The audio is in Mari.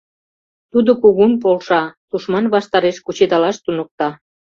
Тудо кугун полша, тушман ваштареш кучедалаш туныкта.